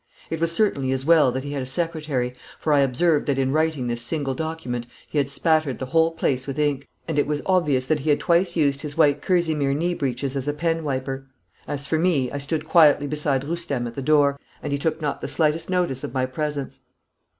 It was certainly as well that he had a secretary, for I observed that in writing this single document he had spattered the whole place with ink, and it was obvious that he had twice used his white kerseymere knee breeches as a pen wiper. As for me, I stood quietly beside Roustem at the door, and he took not the slightest notice of my presence.